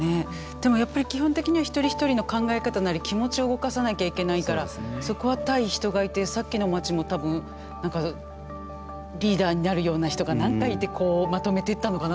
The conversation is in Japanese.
でもやっぱり基本的には一人一人の考え方なり気持ちを動かさなきゃいけないからそこは対人がいてさっきの街も多分何かリーダーになるような人が何か言ってこうまとめてったのかなとは思いますよね。